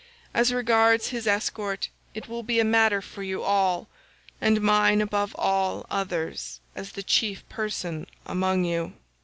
As regards his escort it will be a matter for you all, and mine above all others as the chief person among you."